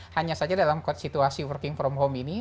hanya saja dalam situasi working from home ini